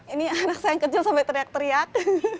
ini anak saya yang kecil sampai teriak teriak